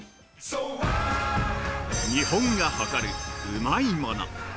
◆日本が誇るうまいもの。